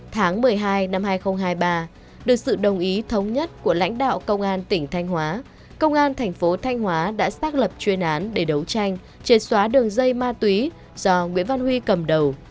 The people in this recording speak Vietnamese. tháng một mươi hai năm hai nghìn hai mươi ba được sự đồng ý thống nhất của lãnh đạo công an tỉnh thanh hóa công an thành phố thanh hóa đã xác lập chuyên án để đấu tranh chế xóa đường dây ma túy do nguyễn văn huy cầm đầu